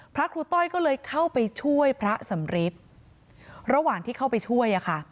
พระครูต้อยก็เลยเข้าไปช่วยพระสำริทระหว่างที่เข้าไปช่วยอะค่ะ